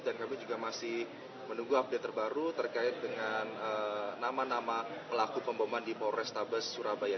dan kami juga masih menunggu update terbaru terkait dengan nama nama pelaku pembombaan di polres tabes surabaya